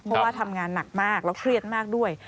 เพราะว่าทำงานหนักมากแล้วเครียดมากด้วย